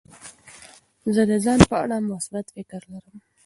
زه د ځان په اړه مثبت فکر لرم.